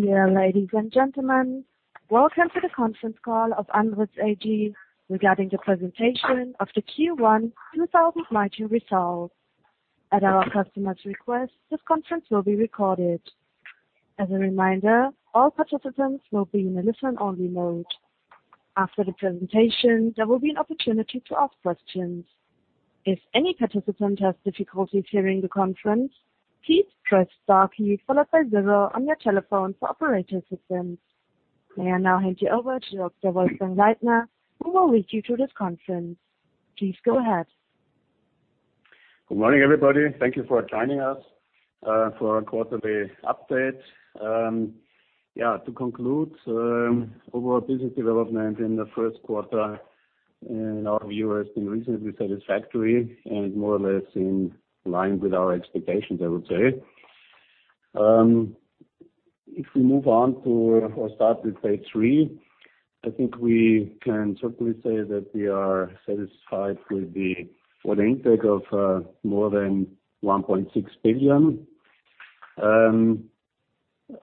Dear ladies and gentlemen, welcome to the conference call of Andritz AG regarding the presentation of the Q1 2019 results. At our customers' request, this conference will be recorded. As a reminder, all participants will be in listen-only mode. After the presentation, there will be an opportunity to ask questions. If any participant has difficulties hearing the conference, please press star key followed by zero on your telephone for operator assistance. May I now hand you over to Dr. Wolfgang Leitner, who will lead you through this conference. Please go ahead. Good morning, everybody. Thank you for joining us for our quarterly update. Yeah, to conclude, overall business development in the first quarter in our view has been reasonably satisfactory and more or less in line with our expectations, I would say. If we move on to or start with page three, I think we can certainly say that we are satisfied with the order intake of more than 1.6 billion.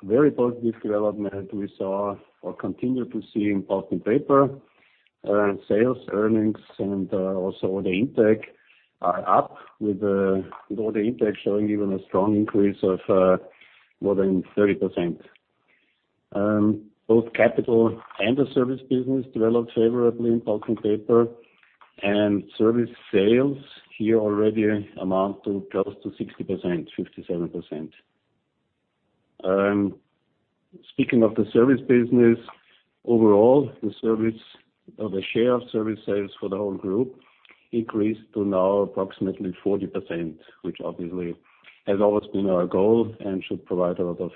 Very positive development we saw or continue to see in Pulp & Paper. Sales, earnings, and also order intake are up, with order intake showing even a strong increase of more than 30%. Both capital and the service business developed favorably in Pulp & Paper, and service sales here already amount to close to 60%, 57%. Speaking of the service business, overall, the share of service sales for the whole group increased to now approximately 40%, which obviously has always been our goal and should provide a lot of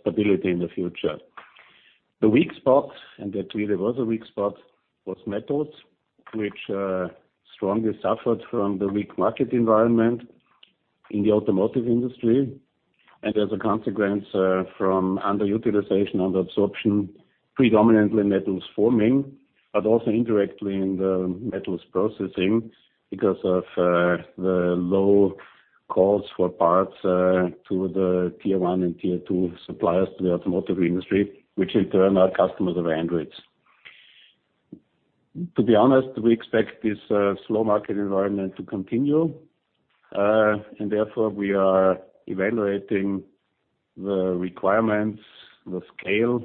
stability in the future. The weak spot, and there clearly was a weak spot, was Metals, which strongly suffered from the weak market environment in the automotive industry and as a consequence, from underutilization, under absorption, predominantly in metals forming, but also indirectly in the metals processing because of the low calls for parts to the tier 1 and tier 2 suppliers to the automotive industry, which in turn are customers of Andritz. To be honest, we expect this slow market environment to continue. Therefore, we are evaluating the requirements, the scale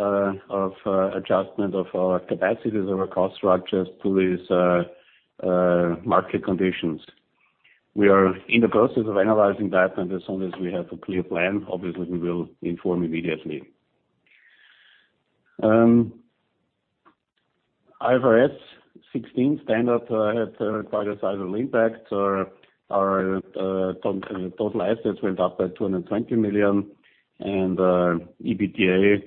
of adjustment of our capacities, of our cost structures to these market conditions. We are in the process of analyzing that. As soon as we have a clear plan, obviously we will inform immediately. IFRS 16 standard had quite a sizable impact. Our total assets went up by 220 million and EBITDA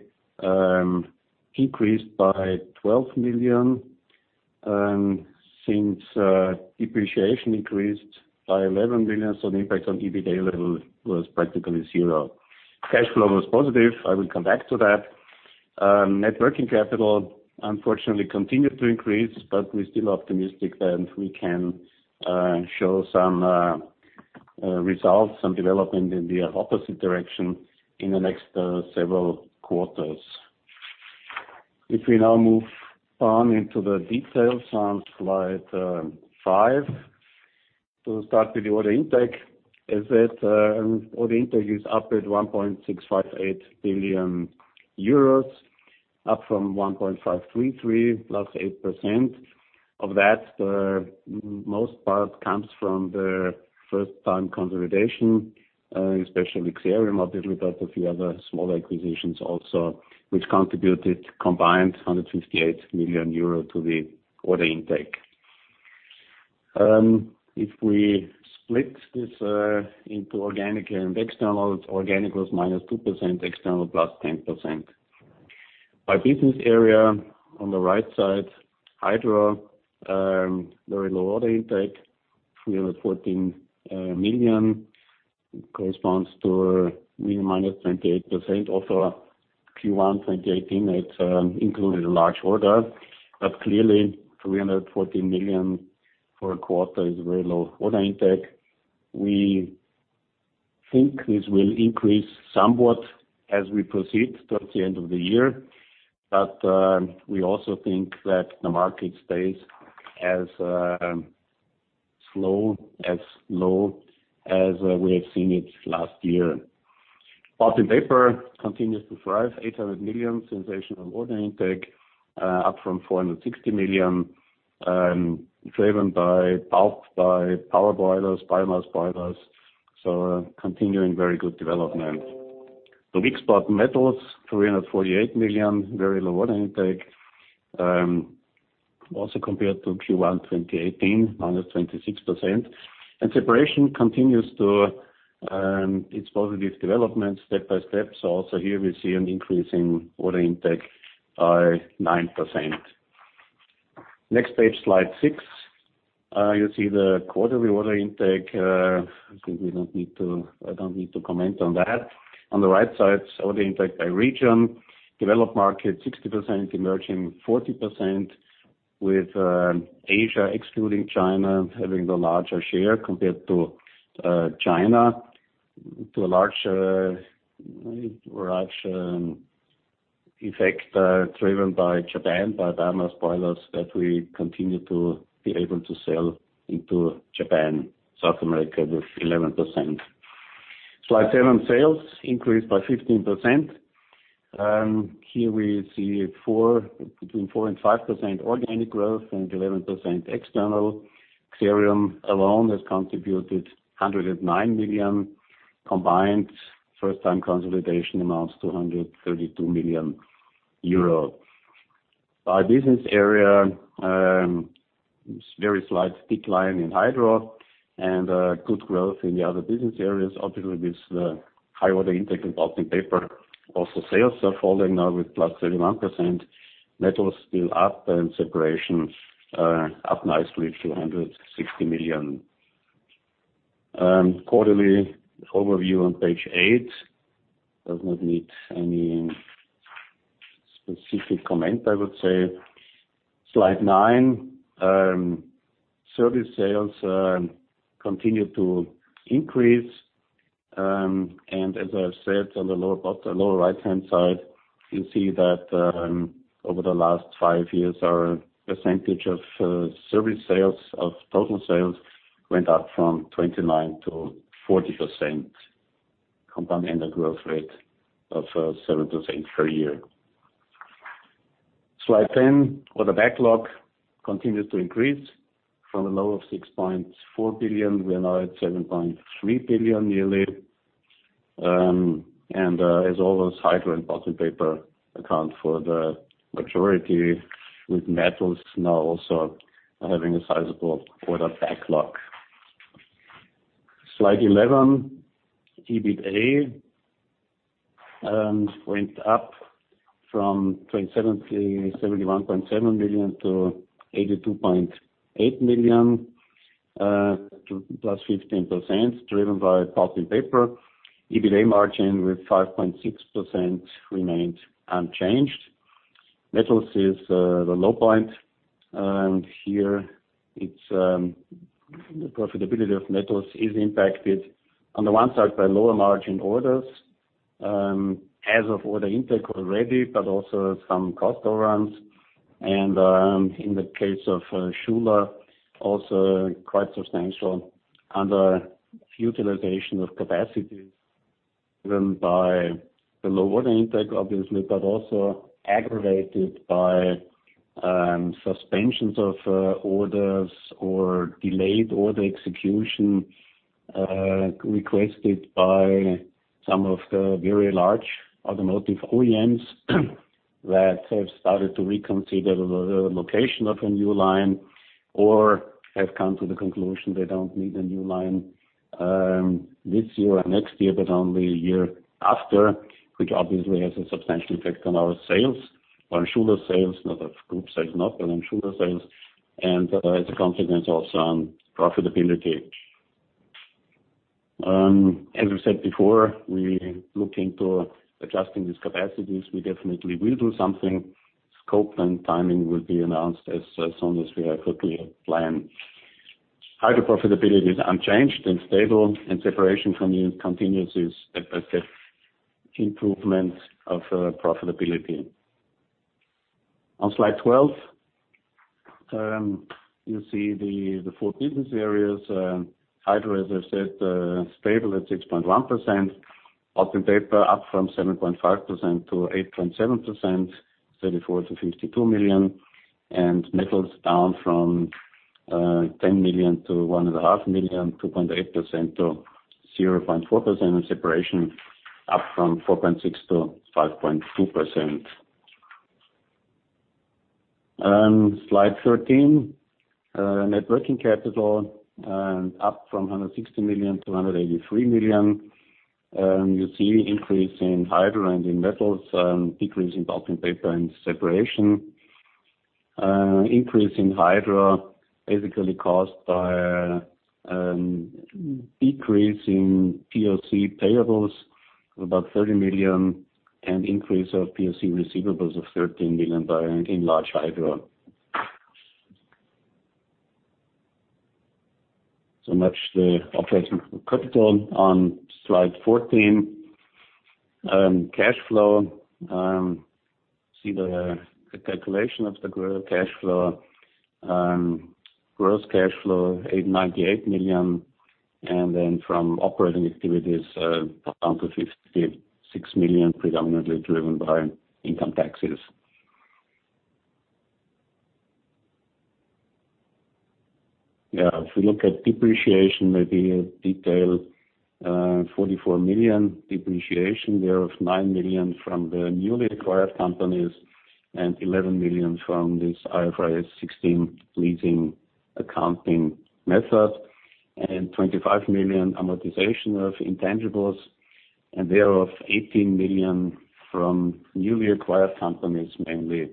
increased by 12 million. Since depreciation increased by 11 million, the impact on EBITDA level was practically zero. Cash flow was positive. I will come back to that. Net working capital unfortunately continued to increase, but we're still optimistic that we can show some results, some development in the opposite direction in the next several quarters. If we now move on into the details on slide five. To start with the order intake, as said, order intake is up at 1.658 billion euros, up from 1.533 billion, plus 8%. Of that, the most part comes from the first-time consolidation, especially Xerium, obviously, but a few other smaller acquisitions also, which contributed combined 158 million euro to the order intake. If we split this into organic and external, organic was -2%, external +10%. By business area, on the right side, Hydro, very low order intake, 314 million corresponds to -28% of our Q1 2018. It included a large order, but clearly 314 million for a quarter is a very low order intake. We think this will increase somewhat as we proceed towards the end of the year. We also think that the market stays as slow, as low as we have seen it last year. Pulp & Paper continues to thrive. 800 million, sensational order intake, up from 460 million, driven by power boilers, biomass boilers. Continuing very good development. The weak spot, Metals, 348 million, very low order intake. Also compared to Q1 2018, -26%. Separation continues its positive development step by step. Also here we see an increase in order intake by 9%. Next page, slide six. You see the quarterly order intake. I think I don't need to comment on that. On the right side, order intake by region. Developed market, 60%, emerging, 40%. With Asia, excluding China, having the larger share compared to China, to a larger effect driven by Japan, by burner boilers that we continue to be able to sell into Japan. South America with 11%. Slide seven, sales increased by 15%. Here we see between 4% and 5% organic growth and 11% external. Xerium alone has contributed 109 million combined. First-time consolidation amounts to 132 million euro. By business area, very slight decline in Hydro and good growth in the other business areas. Obviously, with the higher order intake in Pulp & Paper, also sales are falling now with +31%. Metals still up and Separation up nicely to 160 million. Quarterly overview on page eight. Does not need any specific comment, I would say. Slide nine. Service sales continue to increase. As I said, on the lower right-hand side, you see that over the last five years, our percentage of service sales of total sales went up from 29%-40%, compound annual growth rate of 7% per year. Slide 10. Order backlog continues to increase from a low of 6.4 billion, we are now at 7.3 billion yearly. As always, Hydro and Pulp & Paper account for the majority, with Metals now also having a sizable order backlog. Slide 11. EBITA went up from 71.7 million to 82.8 million, +15%, driven by Pulp & Paper. EBITA margin with 5.6% remained unchanged. Metals is the low point. Here, the profitability of Metals is impacted, on the one side by lower margin orders as of order intake already, but also some cost overruns. In the case of Schuler, also quite substantial underutilization of capacities driven by the low order intake, obviously, but also aggravated by suspensions of orders or delayed order execution requested by some of the very large automotive OEMs that have started to reconsider the location of a new line or have come to the conclusion they don't need a new line this year or next year, but only a year after, which obviously has a substantial effect on our sales. On Schuler sales, not of Group sales, not on Schuler sales. As a consequence, also on profitability. As we said before, we look into adjusting these capacities. We definitely will do something. Scope and timing will be announced as soon as we have a clear plan. Hydro profitability is unchanged and stable, Separation continues its step-by-step improvement of profitability. On slide 12, you see the four business areas. Hydro, as I said, stable at 6.1%. Pulp & Paper up from 7.5% to 8.7%, 34 million to 52 million. Metals down from 10 million to 1.5 million, 2.8% to 0.4%. Separation up from 4.6% to 5.2%. Slide 13. Net working capital up from 160 million to 183 million. You see increase in Hydro and in Metals, decrease in Pulp & Paper and Separation. Increase in Hydro basically caused by a decrease in POC payables of about 30 million and increase of POC receivables of 13 million by an enlarged Hydro. So much the operating capital. On slide 14, cash flow. See the calculation of the cash flow. Gross cash flow 898 million, then from operating activities, down to 56 million, predominantly driven by income taxes. If you look at depreciation, maybe in detail, 44 million depreciation. Thereof, 9 million from the newly acquired companies and 11 million from this IFRS 16 leasing accounting method. 25 million amortization of intangibles, thereof, 18 million from newly acquired companies, mainly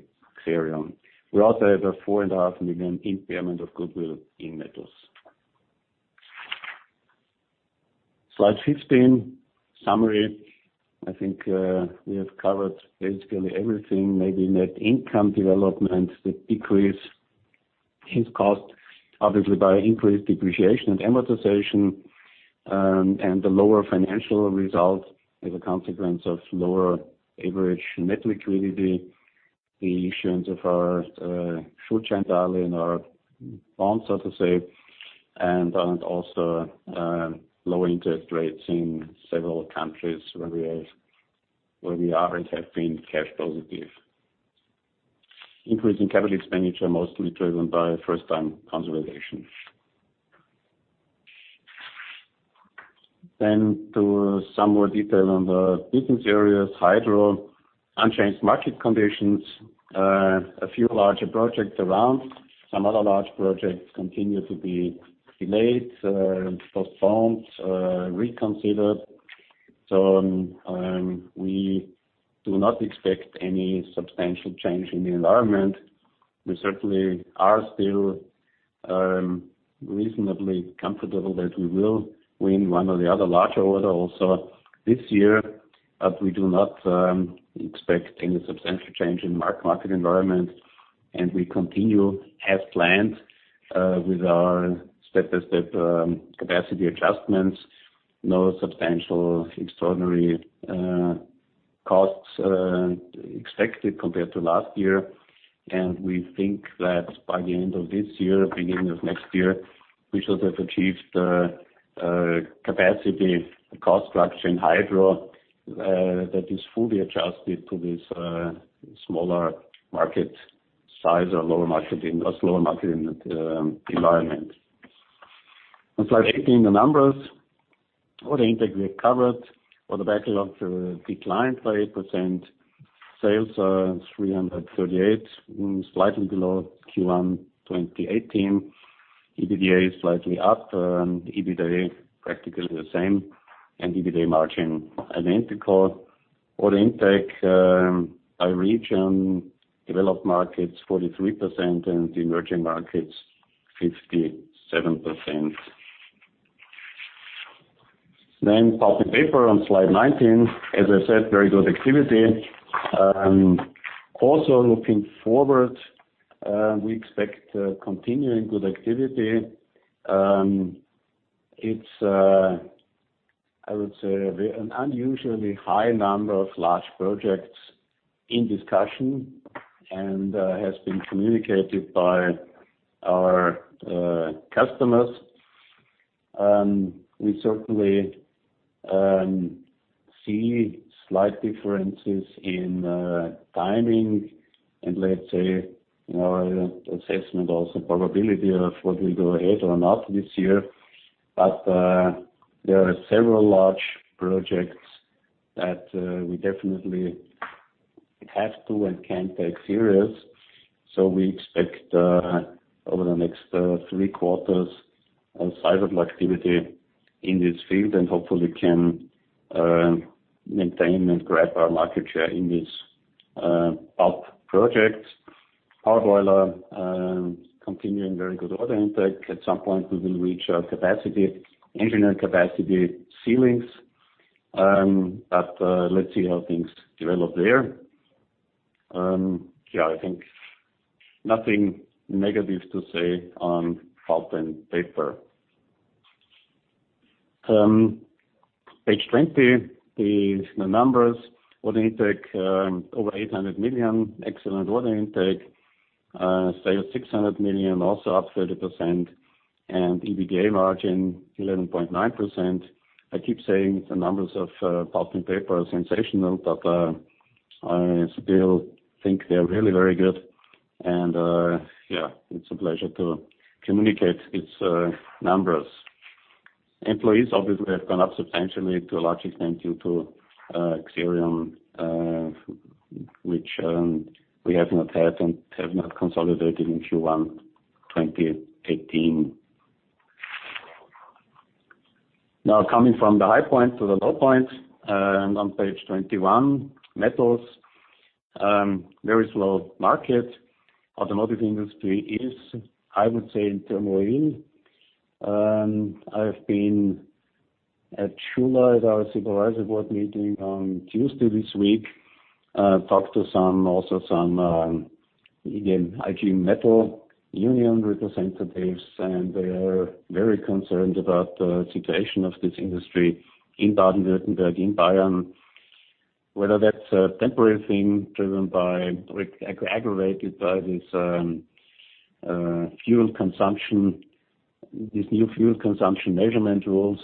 Xerium. We also have a 4.5 million impairment of goodwill in Metals. Slide 15, summary. I think we have covered basically everything. Maybe net income development, the decrease is caused obviously by increased depreciation and amortization, the lower financial result as a consequence of lower average net liquidity. The issuance of our short-term borrowing or bonds so to say, also low interest rates in several countries where we are and have been cash positive. Increase in capital expenditure, mostly driven by first-time consolidation. To some more detail on the business areas. Hydro, unchanged market conditions, a few larger projects around. Some other large projects continue to be delayed, postponed, reconsidered. We do not expect any substantial change in the environment. We certainly are still reasonably comfortable that we will win one or the other large order also this year, but we do not expect any substantial change in market environment, we continue as planned with our step-by-step capacity adjustments. No substantial extraordinary costs expected compared to last year. We think that by the end of this year, beginning of next year, we should have achieved a capacity cost structure in Hydro that is fully adjusted to this smaller market size or lower market environment. On slide 18, the numbers. Order intake we have covered. Order backlog declined by 8%. Sales are 338 million, slightly below Q1 2018. EBITDA is slightly up, EBITA practically the same, EBITA margin identical. Order intake by region, developed markets 43%, the emerging markets 57%. Pulp & Paper on slide 19. As I said, very good activity. Also looking forward, we expect continuing good activity. It's, I would say, an unusually high number of large projects in discussion and has been communicated by our customers. We certainly see slight differences in timing and let's say our assessment also probability of what will go ahead or not this year. There are several large projects that we definitely have to and can take serious. We expect over the next three quarters a sizable activity in this field and hopefully can maintain and grab our market share in these pulp projects. Power boiler continuing very good order intake. At some point, we will reach our capacity, engineering capacity ceilings. Let's see how things develop there. I think nothing negative to say on Pulp & Paper. Page 20 is the numbers. Order intake over 800 million. Excellent order intake. Sales 600 million, also up 30%, and EBITDA margin 11.9%. I keep saying the numbers of Pulp & Paper are sensational, but I still think they are really very good. It's a pleasure to communicate its numbers. Employees obviously have gone up substantially to a large extent due to Xerium, which we have not had and have not consolidated in Q1 2018. Coming from the high point to the low point, on page 21, Metals. Very slow market. Automotive industry is, I would say, in turmoil. I've been at Schuler at our Supervisory Board meeting on Tuesday this week. Talked to also some IG Metall union representatives, and they are very concerned about the situation of this industry in Baden-Württemberg, in Bayern. Whether that's a temporary thing driven by or aggravated by these new fuel consumption measurement rules,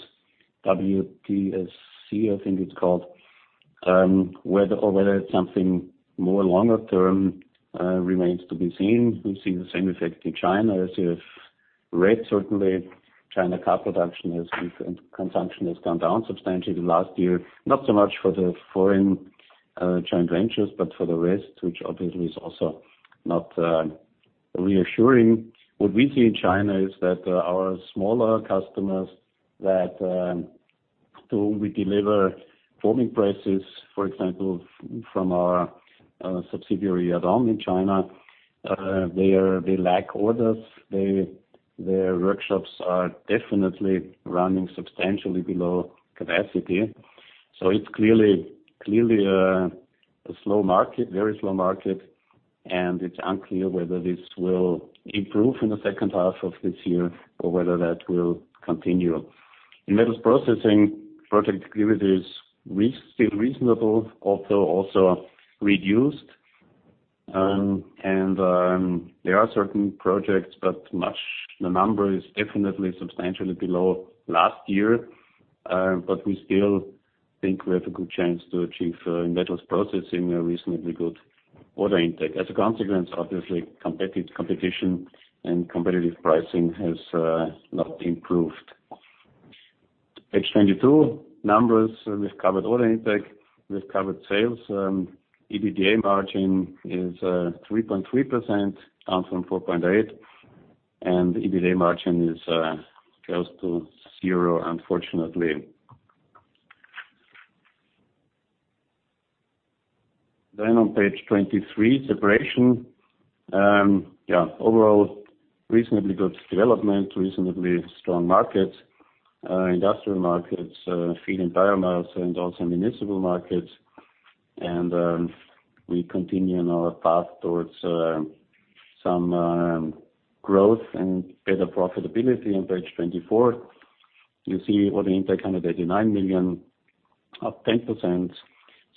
WLTP, I think it's called. Whether it's something more longer term remains to be seen. We see the same effect in China as you have read. Certainly, China car production and consumption has gone down substantially the last year. Not so much for the foreign joint ventures, but for the rest, which obviously is also not reassuring. What we see in China is that our smaller customers that we deliver forming presses, for example, from our subsidiary Yadon in China. They lack orders. Their workshops are definitely running substantially below capacity. It's clearly a very slow market, and it's unclear whether this will improve in the second half of this year or whether that will continue. In metals processing, project activity is still reasonable, although also reduced. There are certain projects, but the number is definitely substantially below last year, but we still think we have a good chance to achieve, in metals processing, a reasonably good order intake. As a consequence, obviously, competition and competitive pricing has not improved. Page 22, numbers. We've covered order intake. We've covered sales. EBITDA margin is 3.3%, down from 4.8%, and EBITA margin is close to zero, unfortunately. On page 23, Separation. Overall, reasonably good development, reasonably strong market. Industrial markets, feed and bio mass, and also municipal markets. We continue on our path towards some growth and better profitability. On page 24, you see order intake, 189 million, up 10%.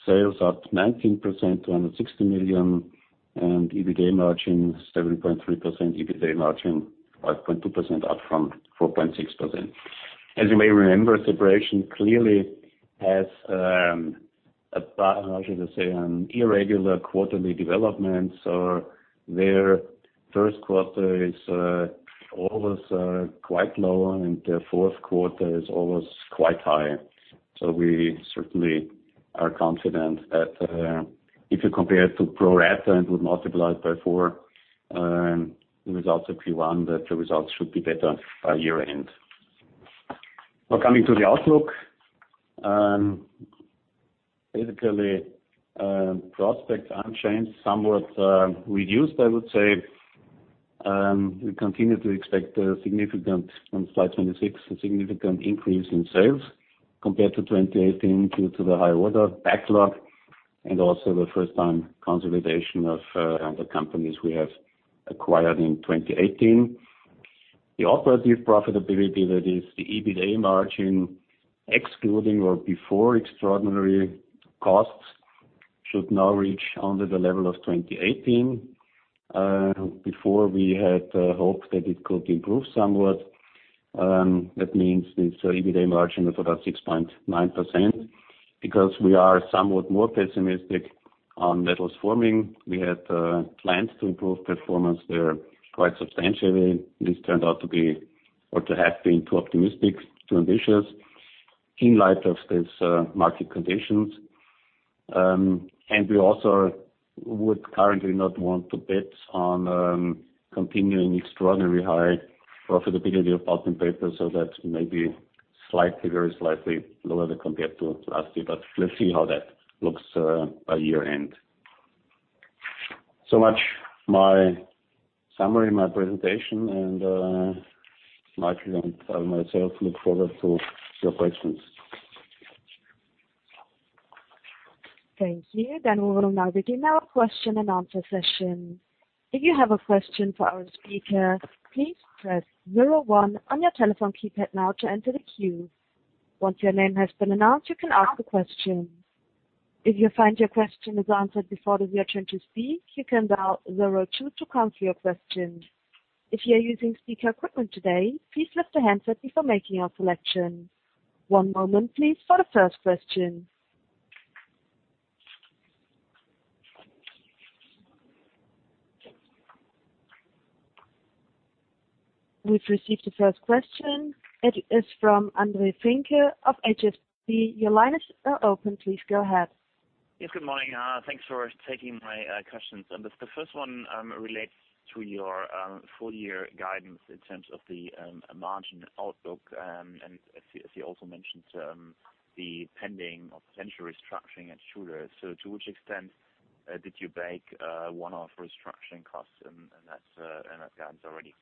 Sales up 19%, 260 million and EBITDA margin 7.3%, EBITA margin 5.2% up from 4.6%. As you may remember, Separation clearly has, how should I say, an irregular quarterly development. Their first quarter is always quite low, and their fourth quarter is always quite high. We certainly are confident that if you compare it to pro rata and would multiply it by four, the results of Q1, that the results should be better by year-end. Coming to the outlook. Basically, prospects unchanged, somewhat reduced, I would say. We continue to expect, on slide 26, a significant increase in sales compared to 2018 due to the high order backlog and also the first-time consolidation of the companies we have acquired in 2018. The operative profitability, that is the EBITA margin, excluding or before extraordinary costs, should now reach only the level of 2018. Before, we had hoped that it could improve somewhat. That means this EBITA margin of about 6.9%, because we are somewhat more pessimistic on metals forming. We had plans to improve performance there quite substantially. This turned out to be, or to have been too optimistic, too ambitious in light of the market conditions. We also would currently not want to bet on continuing extraordinary high profitability of Pulp & Paper, so that may be very slightly lower compared to last year. Let's see how that looks by year-end. So much. My summary, my presentation, and Michael and I myself look forward to your questions. Thank you. We will now begin our question and answer session. If you have a question for our speaker, please press 01 on your telephone keypad now to enter the queue. Once your name has been announced, you can ask the question. If you find your question is answered before it is your turn to speak, you can dial 02 to cancel your question. If you are using speaker equipment today, please lift the handset before making your selection. One moment, please, for the first question. We've received the first question. It is from Jörg-André Finke of HSBC. Your line is now open. Please go ahead. Yes, good morning. Thanks for taking my questions. The first one relates to your full-year guidance in terms of the margin outlook, and as you also mentioned, the pending or potential restructuring at Schuler. To which extent did you bake one-off restructuring costs in that guidance already?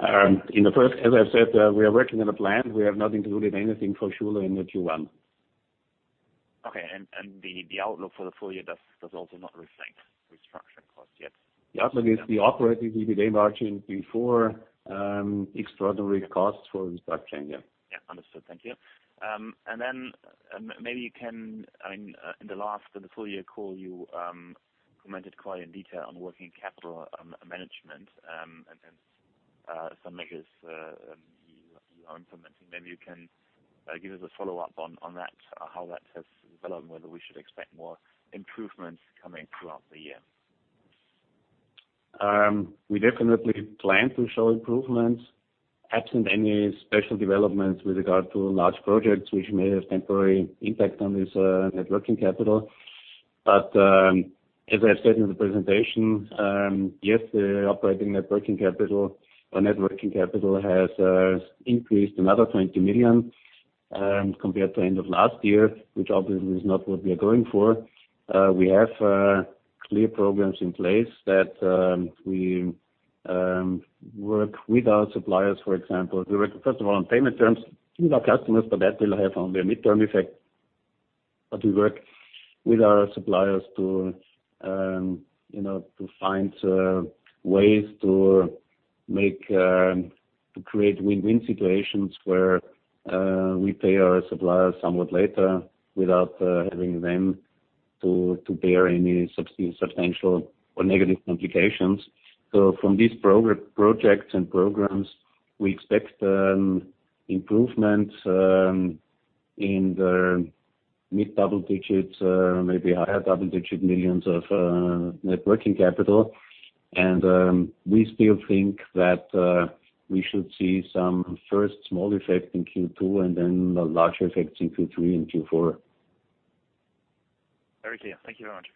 As I said, we are working on a plan. We have not included anything for Schuler in the Q1. Okay, the outlook for the full year does also not reflect restructuring costs yet? The outlook is the operating EBITA margin before extraordinary costs for restructuring. Understood. Thank you. Then maybe In the last full year call you commented quite in detail on working capital management and some measures you are implementing. Maybe you can give us a follow-up on that, how that has developed, whether we should expect more improvements coming throughout the year. We definitely plan to show improvements absent any special developments with regard to large projects, which may have temporary impact on this net working capital. As I said in the presentation, yes, the operating net working capital has increased another 20 million. Compared to end of last year, which obviously is not what we are going for. We have clear programs in place that we work with our suppliers, for example. We work, first of all, on payment terms with our customers, but that will have only a midterm effect. We work with our suppliers to find ways to create win-win situations where we pay our suppliers somewhat later without having them to bear any substantial or negative implications. From these projects and programs, we expect an improvement in the EUR mid-double digits, maybe higher double-digit millions of net working capital. We still think that we should see some first small effect in Q2 and then a larger effect in Q3 and Q4. Very clear. Thank you very much.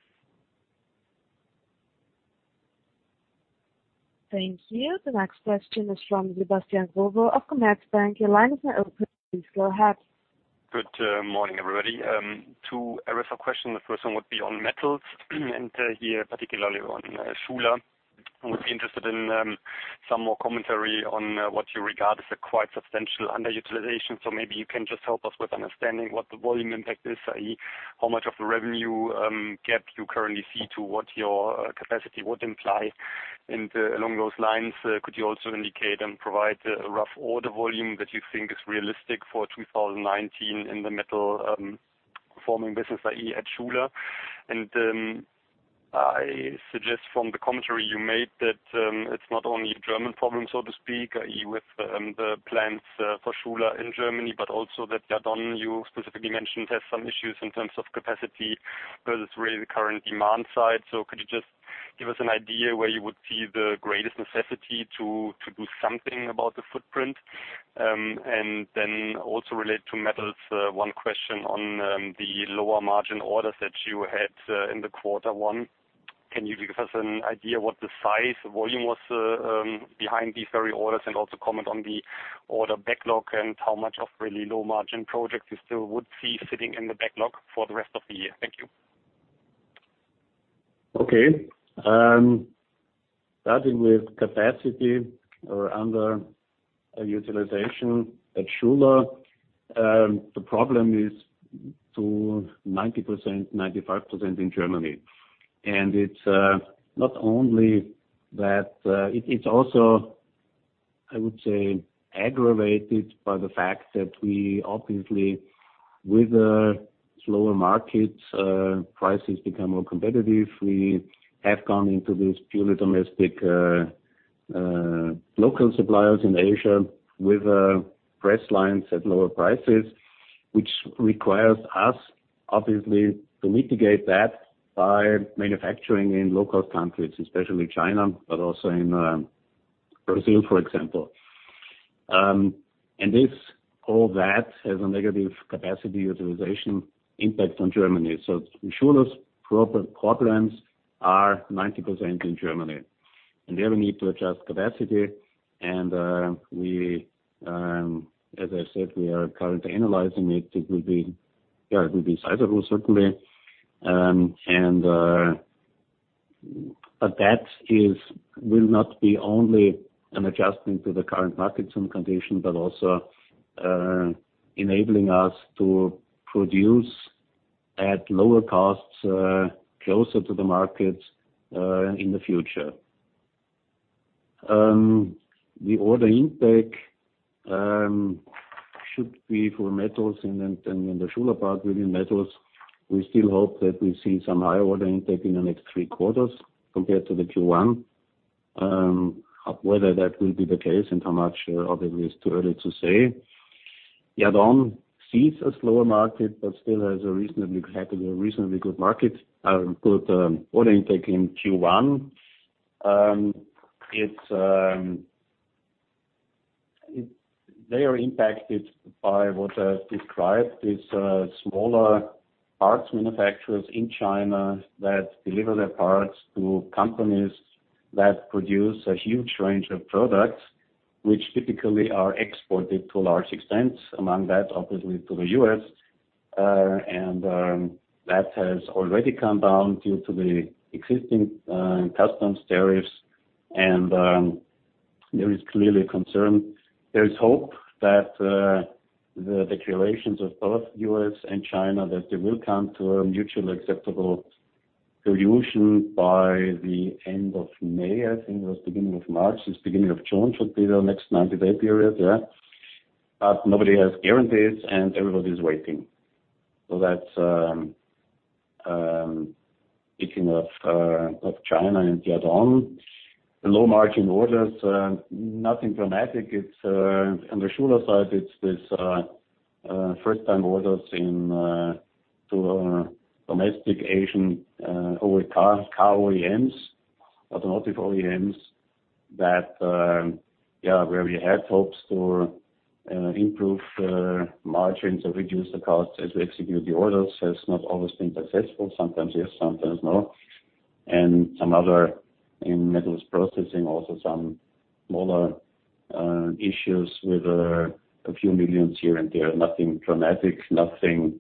Thank you. The next question is from Sebastian Wolf of Commerzbank. Your line is now open. Please go ahead. Good morning, everybody. Two ARRIFA questions. The first one would be on Metals and here, particularly on Schuler. I would be interested in some more commentary on what you regard as a quite substantial underutilization. Maybe you can just help us with understanding what the volume impact is, i.e., how much of the revenue gap you currently see to what your capacity would imply. Along those lines, could you also indicate and provide a rough order volume that you think is realistic for 2019 in the metal forming business, i.e., at Schuler. I suggest from the commentary you made that it's not only a German problem, so to speak, i.e., with the plans for Schuler in Germany, but also that Yadon, you specifically mentioned, has some issues in terms of capacity versus really the current demand side. Could you just give us an idea where you would see the greatest necessity to do something about the footprint? Then also related to Metals, one question on the lower margin orders that you had in the quarter one. Can you give us an idea what the size volume was behind these very orders and also comment on the order backlog and how much of really low margin projects you still would see sitting in the backlog for the rest of the year? Thank you. Okay. Starting with capacity or under utilization at Schuler. The problem is to 90%, 95% in Germany. It's not only that, it's also, I would say, aggravated by the fact that we obviously, with slower markets, prices become more competitive. We have gone into these purely domestic local suppliers in Asia with press lines at lower prices, which requires us, obviously, to mitigate that by manufacturing in low-cost countries, especially China, but also in Brazil, for example. All that has a negative capacity utilization impact on Germany. Schuler's problems are 90% in Germany, and there we need to adjust capacity. As I said, we are currently analyzing it. It will be sizable, certainly. That will not be only an adjustment to the current market condition, but also enabling us to produce at lower costs, closer to the market in the future. The order intake should be for Metals, and in the Schuler part within Metals, we still hope that we see some higher order intake in the next three quarters compared to the Q1. Whether that will be the case and how much, obviously, is too early to say. Yadon sees a slower market, but still has a reasonably good market, good order intake in Q1. They are impacted by what I described, these smaller parts manufacturers in China that deliver their parts to companies that produce a huge range of products, which typically are exported to a large extent, among that, obviously, to the U.S. That has already come down due to the existing customs tariffs, and there is clearly concern. There is hope that the declarations of both U.S. and China, that they will come to a mutually acceptable solution by the end of May, I think it was beginning of March. This beginning of June should be the next 90-day period, yeah. Nobody has guarantees, and everybody's waiting. That's speaking of China and Yadon. The low margin orders, nothing dramatic. On the Schuler side, it's this first-time orders to domestic Asian car OEMs, automotive OEMs, where we had hopes to improve margins or reduce the cost as we execute the orders, has not always been successful. Sometimes yes, sometimes no. And some other in Metals processing, also some smaller issues with a few millions here and there. Nothing dramatic, nothing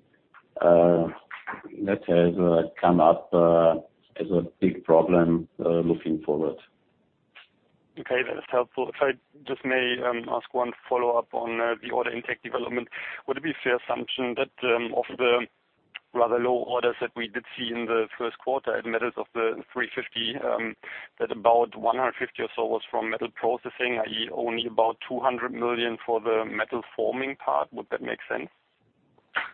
that has come up as a big problem looking forward. Okay. That's helpful. If I just may ask one follow-up on the order intake development. Would it be fair assumption that of the rather low orders that we did see in the first quarter in Metals of the 350, that about 150 or so was from Metals processing, i.e. only about 200 million for the Metals forming part? Would that make sense?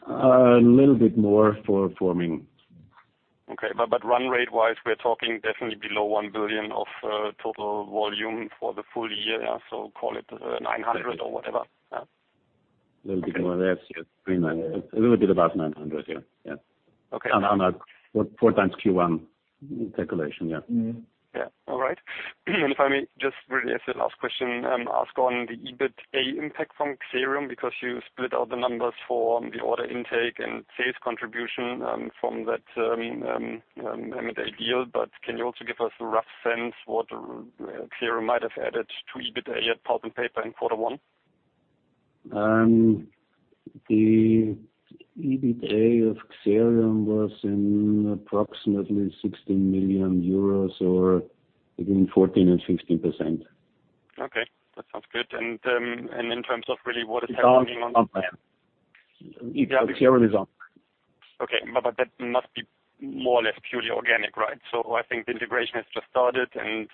A little bit more for forming. Okay. Run rate wise, we're talking definitely below one billion of total volume for the full year. Call it 900 or whatever. Yeah. A little bit more. Yes. A little bit above 900. Yeah. Okay. Four times Q1 calculation. Yeah. Yeah. All right. If I may just really as the last question, ask on the EBITA impact from Xerium, because you split out the numbers for the order intake and sales contribution from that M&A deal. Can you also give us a rough sense what Xerium might have added to EBITA at Pulp & Paper in quarter one? The EBITA of Xerium was in approximately 16 million euros or between 14% and 16%. Okay. That sounds good. It's on. Xerium is up. Okay. That must be more or less purely organic, right? I think the integration has just started and,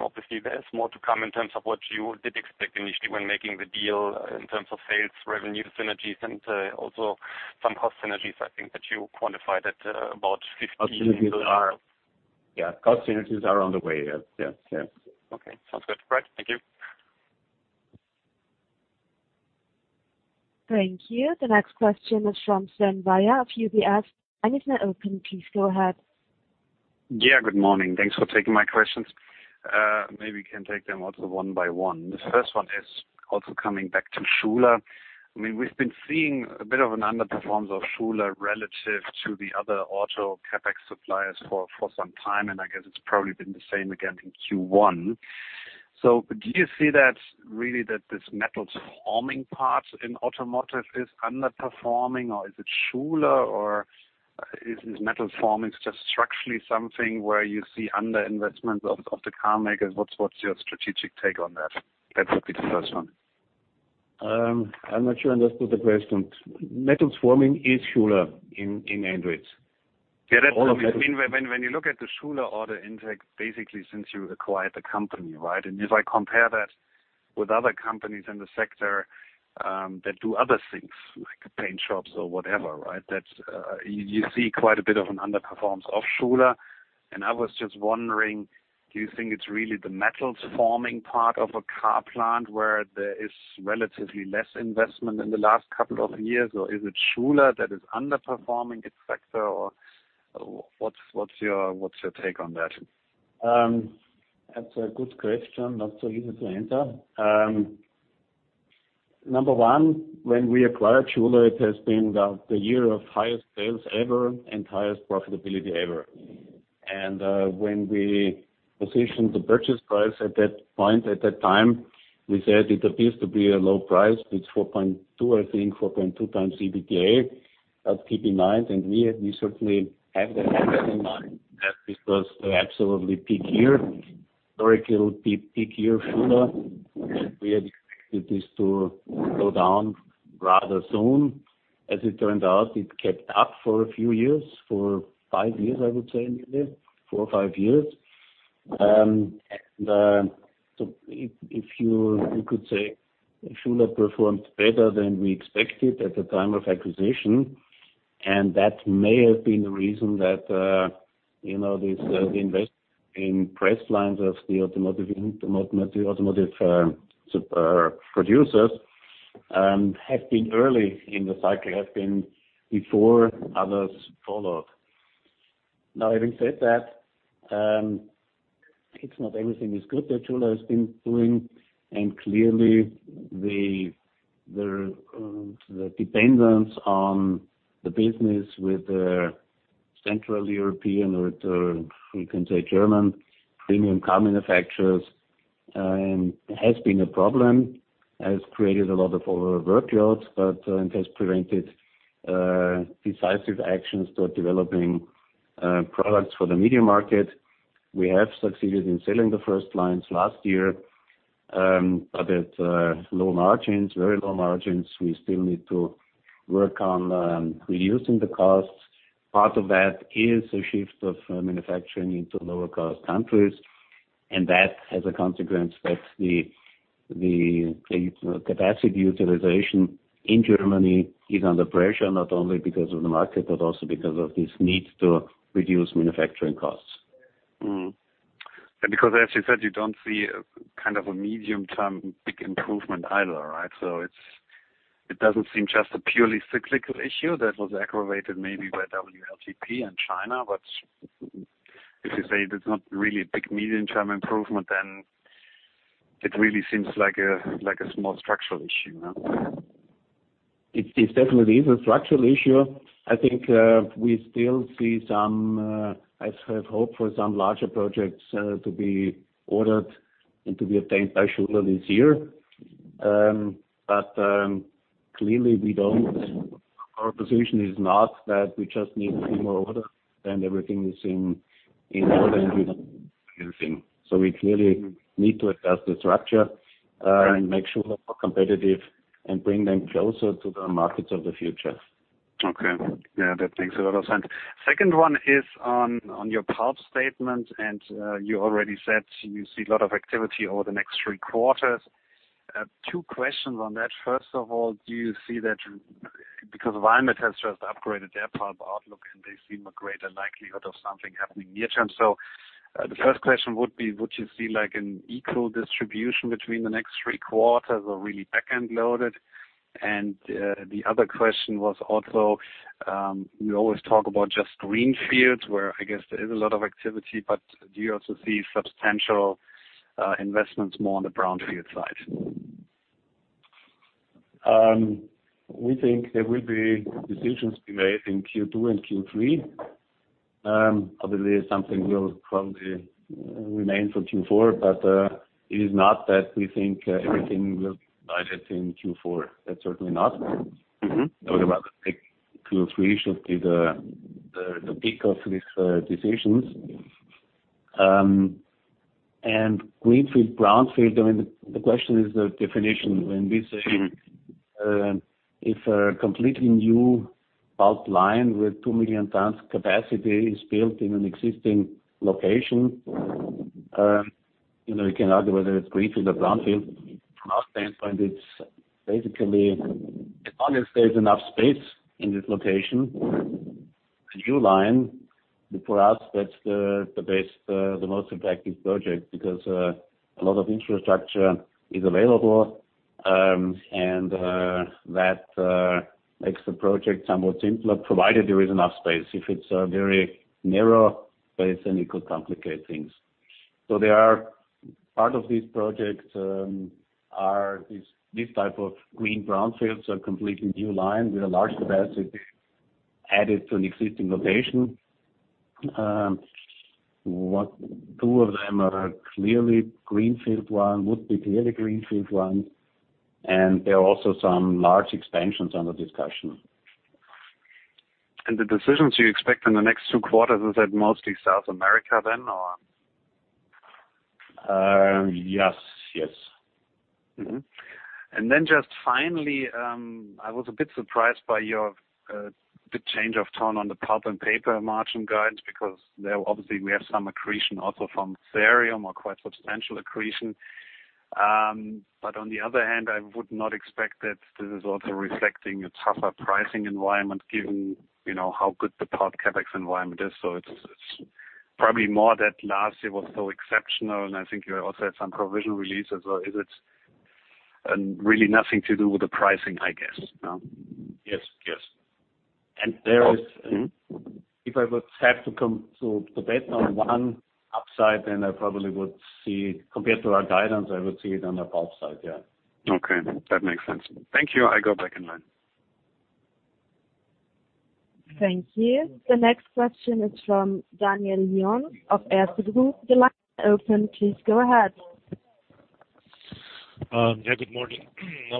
obviously there's more to come in terms of what you did expect initially when making the deal in terms of sales, revenue synergies and also some cost synergies I think that you quantified at about 15 million. Yeah. Cost synergies are on the way. Yes. Okay. Sounds good. Great. Thank you. Thank you. The next question is from Sven Weier of UBS. Line is now open. Please go ahead. Yeah. Good morning. Thanks for taking my questions. Maybe we can take them also one by one. The first one is also coming back to Schuler. We've been seeing a bit of an underperformance of Schuler relative to the other auto CapEx suppliers for some time, and I guess it's probably been the same again in Q1. Do you see that really that this metals forming part in automotive is underperforming, or is it Schuler, or is metals forming just structurally something where you see under investment of the car makers? What's your strategic take on that? That would be the first one. I'm not sure I understood the question. Metals forming is Schuler in Andritz. All the metals- Yeah, that's what I mean. When you look at the Schuler order intake, basically since you acquired the company, right? If I compare that with other companies in the sector that do other things like paint shops or whatever, right? You see quite a bit of an underperformance of Schuler. I was just wondering, do you think it's really the metals forming part of a car plant where there is relatively less investment in the last couple of years? Is it Schuler that is underperforming its sector? What's your take on that? That's a good question. Not so easy to answer. Number one, when we acquired Schuler, it has been the year of highest sales ever and highest profitability ever. When we positioned the purchase price at that point, at that time, we said it appears to be a low price, it's 4.2 or I think 4.2 times EBITDA at PP 9. We certainly have that in mind that this was the absolutely peak year. Historical peak year, Schuler. We had expected this to go down rather soon. As it turned out, it kept up for a few years. For five years, I would say, nearly. Four or five years. If you could say Schuler performed better than we expected at the time of acquisition, that may have been the reason that the investment in press lines of the automotive producers, have been early in the cycle, have been before others followed. Having said that, it's not everything is good that Schuler has been doing. Clearly the dependence on the business with the Central European, or you can say German premium car manufacturers, has been a problem, has created a lot of overload, but it has prevented decisive actions toward developing products for the medium market. We have succeeded in selling the first lines last year, but at low margins, very low margins. We still need to work on reducing the costs. Part of that is a shift of manufacturing into lower cost countries. That has a consequence that the capacity utilization in Germany is under pressure, not only because of the market, but also because of this need to reduce manufacturing costs. Because as you said, you don't see a medium term big improvement either, right? It doesn't seem just a purely cyclical issue that was aggravated maybe by WLTP and China. If you say there's not really a big medium term improvement, then it really seems like a small structural issue. It definitely is a structural issue. I think we still see some, I sort of hope for some larger projects to be ordered and to be obtained by Schuler this year. Clearly our position is not that we just need a few more orders, then everything is in order and we don't need anything. We clearly need to adjust the structure and make sure we're more competitive and bring them closer to the markets of the future. Okay. Yeah, that makes a lot of sense. Second one is on your pulp statement, you already said you see a lot of activity over the next three quarters. Two questions on that. First of all, do you see that because Valmet has just upgraded their pulp outlook, and they see a greater likelihood of something happening near term. The first question would be, would you see an equal distribution between the next three quarters or really backend loaded? The other question was also, you always talk about just greenfields where I guess there is a lot of activity, but do you also see substantial investments more on the brownfield side? We think there will be decisions to be made in Q2 and Q3. Obviously, something will probably remain for Q4, it is not that we think everything will be decided in Q4. That's certainly not. Talking about the Q3 should be the peak of these decisions. Greenfield, brownfield, the question is the definition. When we say if a completely new pulp line with 2 million tons capacity is built in an existing location, you can argue whether it's greenfield or brownfield. From our standpoint, as long as there's enough space in this location, a new line, for us, that's the most attractive project because a lot of infrastructure is available. That makes the project somewhat simpler, provided there is enough space. If it's a very narrow space, then it could complicate things. Part of these projects are these type of green, brownfields or completely new lines with a large capacity added to an existing location. Two of them would be clearly greenfield ones. There are also some large expansions under discussion. The decisions you expect in the next 2 quarters, is that mostly South America then, or? Yes. Just finally, I was a bit surprised by your big change of tone on the pulp and paper margin guidance because there obviously we have some accretion also from Xerium or quite substantial accretion. On the other hand, I would not expect that this is also reflecting a tougher pricing environment given how good the pulp CapEx environment is. It's probably more that last year was so exceptional and I think you also had some provisional releases. Is it really nothing to do with the pricing, I guess? Yes. If I would have to bet on 1 upside, then I probably would see, compared to our guidance, I would see it on the pulp side. Okay. That makes sense. Thank you. I go back in line. Thank you. The next question is from Daniel Lion of Erste Group. The line is open. Please go ahead. Yeah, good morning. Hi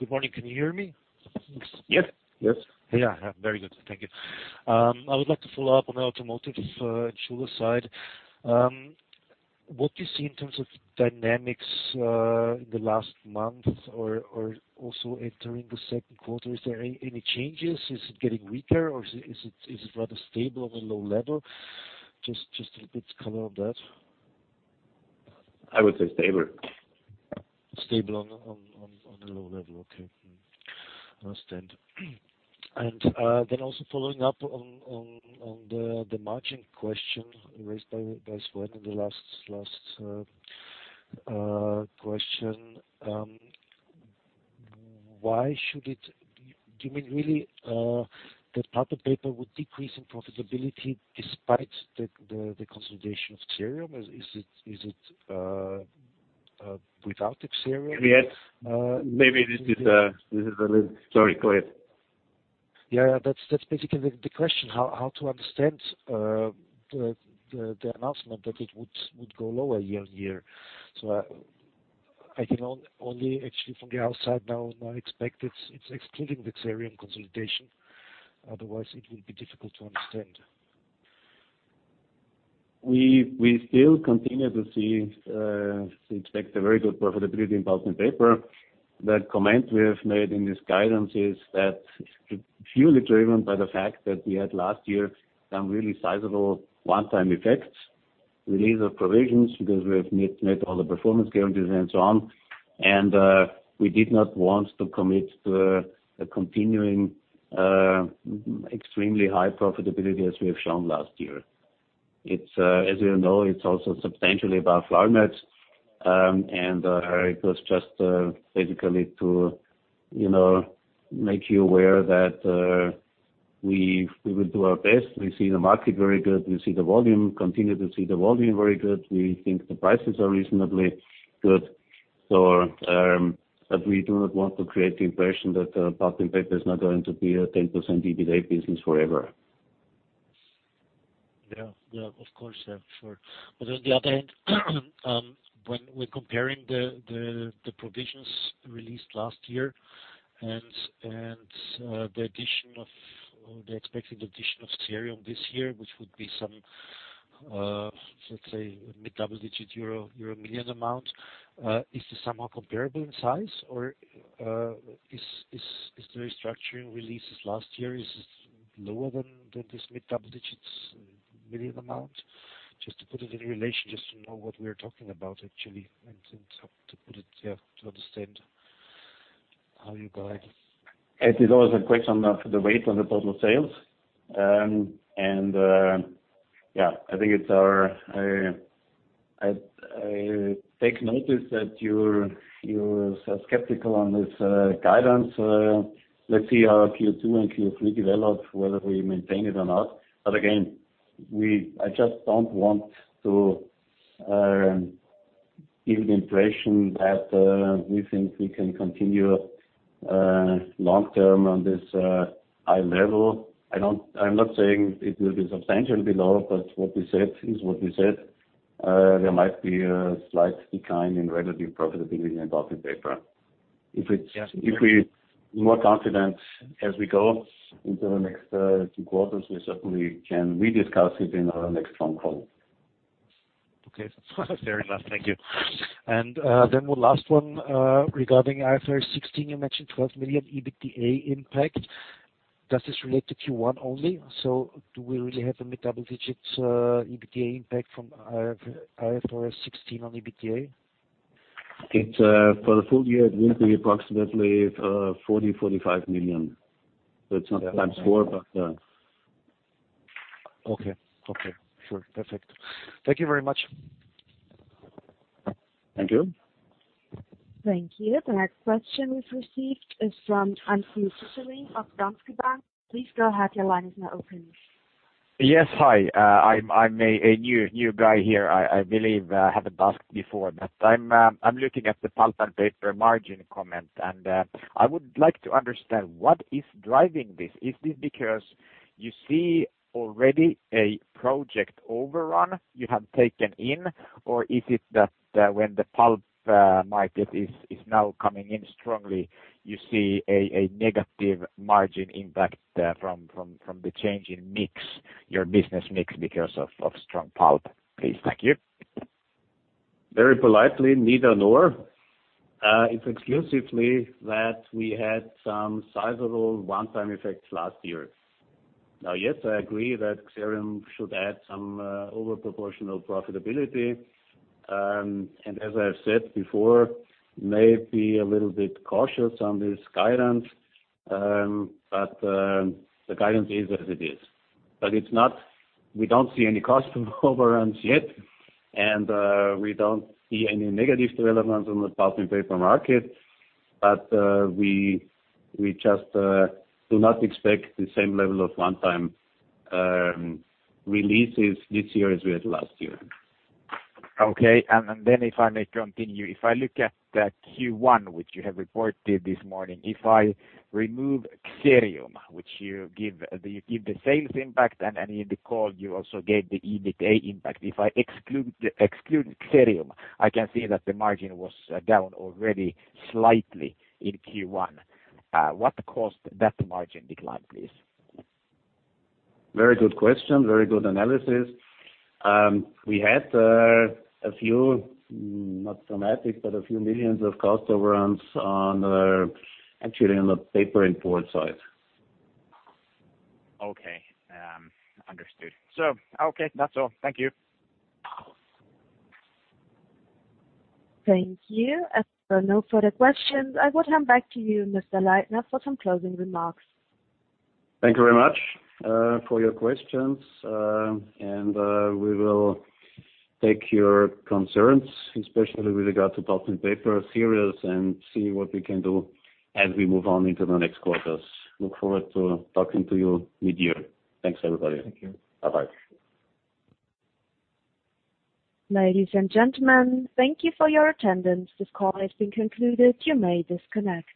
Good morning. Can you hear me? Yes. Yeah. Very good. Thank you. I would like to follow up on the automotive and Schuler side. What do you see in terms of dynamics, in the last month or also entering the second quarter? Is there any changes? Is it getting weaker or is it rather stable on a low level? Just a little bit color on that. I would say stable. Stable on a low level. Okay. Understand. Also following up on the margin question raised by Sven in the last question. Do you mean really that Pulp & Paper would decrease in profitability despite the consolidation of Xerium? Is it without Xerium? Yes. Sorry, go ahead. That's basically the question. How to understand the announcement that it would go lower year-on-year. So I can only actually from the outside now expect it's excluding the Xerium consolidation. Otherwise, it will be difficult to understand. We still continue to expect a very good profitability in Pulp & Paper. That comment we have made in this guidance is that it's purely driven by the fact that we had last year some really sizable one-time effects. Release of provisions because we have met all the performance guarantees and so on. We did not want to commit to a continuing extremely high profitability as we have shown last year. As you know, it's also substantially above our net. It was just basically to make you aware that. We will do our best. We see the market very good. We continue to see the volume very good. We think the prices are reasonably good. We do not want to create the impression that the Pulp & Paper is not going to be a 10% EBITDA business forever. Of course, sure. On the other end, when we're comparing the provisions released last year and the expected addition of Xerium this year, which would be some, let's say, mid-double-digit EUR million amount. Is this somehow comparable in size or is the restructuring releases last year, is it lower than this mid-double-digit million amount? Just to put it in relation, just to know what we're talking about, actually, and to understand how you guide. It is always a question of the weight on the total sales. I take notice that you are skeptical on this guidance. Let's see how Q2 and Q3 develop, whether we maintain it or not. Again, I just don't want to give the impression that we think we can continue long-term on this high level. I'm not saying it will be substantially lower. What we said is what we said. There might be a slight decline in relative profitability in the Pulp & Paper. If we're more confident as we go into the next two quarters, we certainly can re-discuss it in our next phone call. Okay. Fair enough. Thank you. Then one last one, regarding IFRS 16, you mentioned 12 million EBITDA impact. Does this relate to Q1 only? Do we really have a mid-double digits EBITDA impact from IFRS 16 on EBITDA? For the full year, it will be approximately 40 million-45 million. It's not times four. Okay. Sure. Perfect. Thank you very much. Thank you. Thank you. The next question we've received is from Antti Susi of Danske Bank. Please go ahead, your line is now open. Yes. Hi. I'm a new guy here. I believe I haven't asked before, but I'm looking at the Pulp & Paper margin comments, and I would like to understand what is driving this. Is this because you see already a project overrun you have taken in, or is it that when the pulp market is now coming in strongly, you see a negative margin impact from the change in your business mix because of strong pulp, please? Thank you. Very politely, neither nor. It's exclusively that we had some sizable one-time effects last year. Yes, I agree that Xerium should add some over proportional profitability. As I've said before, may be a little bit cautious on this guidance. The guidance is as it is. We don't see any cost overruns yet, and we don't see any negative developments on the Pulp & Paper market. We just do not expect the same level of one-time releases this year as we had last year. Okay. Then if I may continue. If I look at the Q1, which you have reported this morning. If I remove Xerium, which you give the sales impact, and in the call you also gave the EBITDA impact. If I exclude Xerium, I can see that the margin was down already slightly in Q1. What caused that margin decline, please? Very good question. Very good analysis. We had a few, not dramatic, but a few million EUR of cost overruns on, actually, on the paper import side. Okay. Understood. Okay. That's all. Thank you. Thank you. As there are no further questions, I will hand back to you, Mr. Leitner, for some closing remarks. Thank you very much for your questions. We will take your concerns, especially with regard to Pulp & Paper, serious and see what we can do as we move on into the next quarters. Look forward to talking to you mid-year. Thanks, everybody. Thank you. Bye-bye. Ladies and gentlemen, thank you for your attendance. This call has been concluded. You may disconnect.